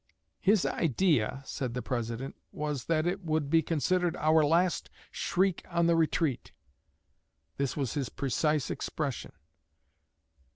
'His idea,' said the President, 'was that it would be considered our last shriek on the retreat.' (This was his precise expression.)